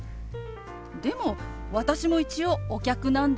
でも私も一応お客なんですけど。